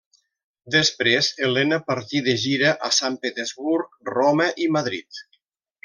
Després, Elena partí de gira a Sant Petersburg, Roma i Madrid.